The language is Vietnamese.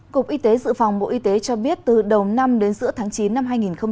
cục y tế dự phòng bộ y tế cho biết từ đầu năm đến giữa tháng chín năm hai nghìn hai mươi